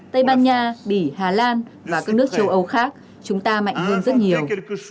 tây ban nha bỉ hà lan và các nước châu âu khác chúng ta mạnh hơn rất nhiều